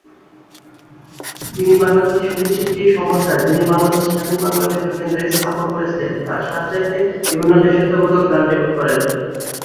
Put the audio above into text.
তিনি বাংলাদেশী সংগীতশিল্পী সমর দাস যিনি বাংলাদেশে স্বাধীন বাংলা বেতার কেন্দ্র স্থাপন করেছিলেন তার সাহায্যার্থে বিভিন্ন দেশাত্মবোধক গান রেকর্ড করেন।